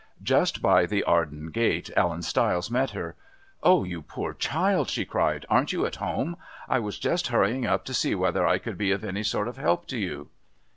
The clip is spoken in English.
Just by the Arden Gate Ellen Stiles met her. "Oh, you poor child!" she cried; "aren't you at home? I was just hurrying up to see whether I could be of any sort of help to you!"